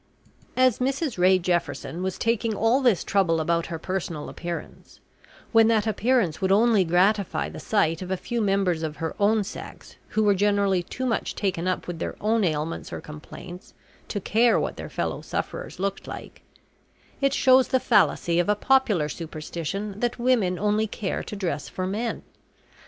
As Mrs Ray Jefferson was taking all this trouble about her personal appearance, when that appearance would only gratify the sight of a few members of her own sex who were generally too much taken up with their own ailments or complaints to care what their fellow sufferers looked like, it shows the fallacy of a popular superstition that women only care to dress for men.